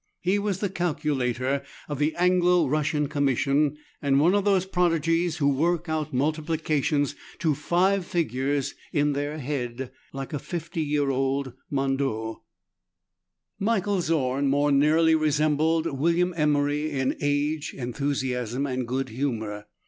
He was the cal culator of the Anglo Russian Commission, and one of those prodigies who work out multiplications to five figures in their head, like a fifty year old Mondeux. 42 MERIDIANA ; THE ADVENTURES OF Michael Zorn more nearly resembled William Emery in age, enthusiasm, and good humour.